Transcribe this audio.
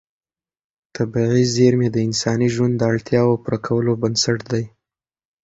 طبیعي زېرمې د انساني ژوند د اړتیاوو پوره کولو بنسټ دي.